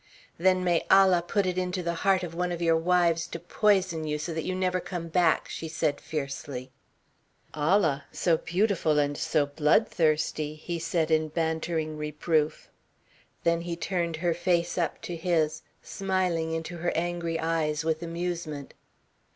"Then may Allah put it into the heart of one of your wives to poison you so that you never come back," she said fiercely. "Allah! So beautiful and so bloodthirsty," he said in bantering reproof. Then he turned her face up to his, smiling into her angry eyes with amusement.